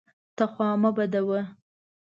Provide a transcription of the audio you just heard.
ته خوا مه بدوه!